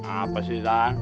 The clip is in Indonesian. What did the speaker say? apa sih bang